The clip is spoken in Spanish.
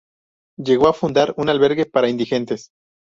Llegó a fundar un albergue para indigentes.